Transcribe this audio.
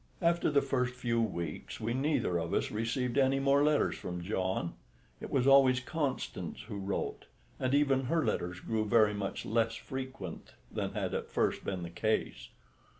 After the first few weeks we neither of us received any more letters from John. It was always Constance who wrote, and even her letters grew very much less frequent than had at first been the case.